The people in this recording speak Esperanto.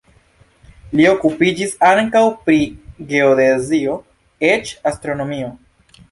Li okupiĝis ankaŭ pri geodezio, eĉ astronomio.